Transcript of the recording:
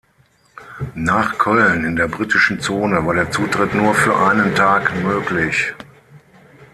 Nach Köln, in der britischen Zone, war der Zutritt nur für einen Tag möglich.